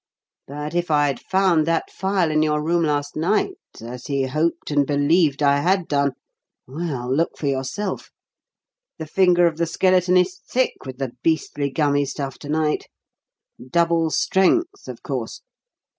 But if I'd found that phial in your room last night, as he hoped and believed I had done well, look for yourself. The finger of the skeleton is thick with the beastly, gummy stuff to night. Double strength, of course.